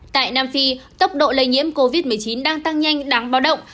tại nam phi tốc độ lây nhiễm covid một mươi chín đang tăng nhanh đáng báo động